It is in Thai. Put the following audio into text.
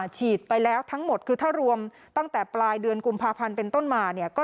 ฉีดไปแล้วทั้งหมดคือถ้ารวมตั้งแต่ปลายเดือนกุมภาพันธ์เป็นต้นมาเนี่ย